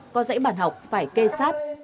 có dãy bản học phải kê sát